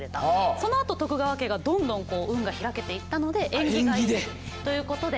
そのあと徳川家がどんどん運が開けていったので縁起がいいということで毎年食べる。